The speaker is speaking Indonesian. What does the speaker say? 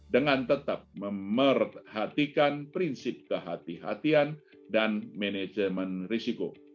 dengan tetap memerhatikan prinsip kehatian dan manajemen risiko